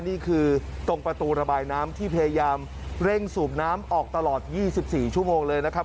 นี่คือตรงประตูระบายน้ำที่พยายามเร่งสูบน้ำออกตลอด๒๔ชั่วโมงเลยนะครับ